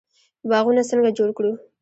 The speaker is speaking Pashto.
باغونه څنګه جوړ کړو؟